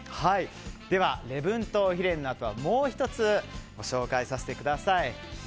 では、レブントウヒレンのあとはもう１つ、ご紹介させてください。